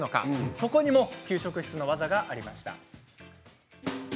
そこにも給食室のワザがありました。